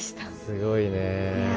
すごいね。